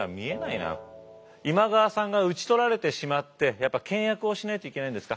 今川さんが討ち取られてしまってやっぱ倹約をしないといけないんですか？